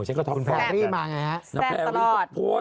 แซมตลอด